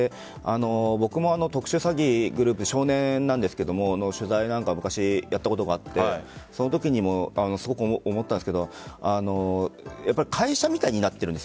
僕も特殊詐欺グループ少年なんですが取材を昔、やったことがあってそのときもすごく思ったんですが会社みたいになっているんです。